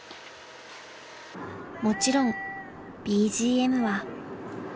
［もちろんＢＧＭは］